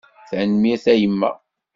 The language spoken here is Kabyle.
Tanemmirt a yemma.